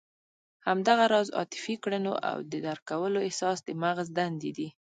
همدغه راز عاطفي کړنو او درک کولو احساس د مغز دندې دي.